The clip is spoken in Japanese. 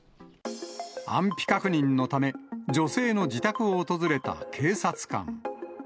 安否確認のため、女性の自宅を訪れた警察官。